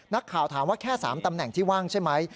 นักข่าวถามว่าแค่๓ตำแหน่งที่ว่างใช่ไหม